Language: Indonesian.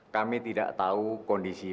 kami tidak tahu kondisi